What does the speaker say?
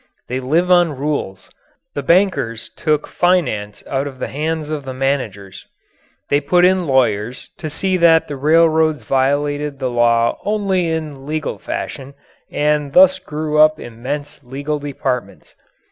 They live on rules. The bankers took finance out of the hands of the managers. They put in lawyers to see that the railroads violated the law only in legal fashion, and thus grew up immense legal departments.